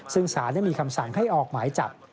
ซึ่งสารได้มีคำสั่งให้ออกหมายจับ